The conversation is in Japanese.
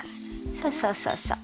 そうそうそうそう。